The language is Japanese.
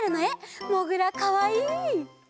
もぐらかわいい。